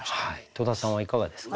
戸田さんはいかがですか？